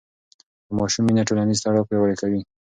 د ماشوم مینه ټولنیز تړاو پیاوړی کوي.